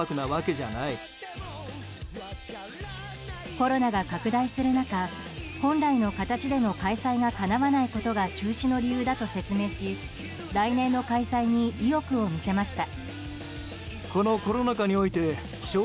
コロナが拡大する中本来の形での開催がかなわないことが中止の理由だと説明し来年の開催に意欲を見せました。